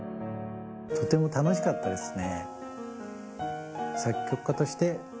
とても楽しかったですね。